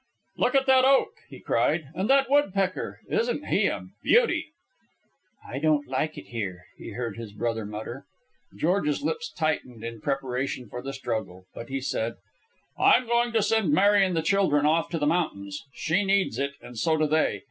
"Look at that oak!" he cried. "And that woodpecker! Isn't he a beauty!" "I don't like it here," he heard his brother mutter. George's lips tightened in preparation for the struggle, but he said "I'm going to send Mary and the children off to the mountains. She needs it, and so do they.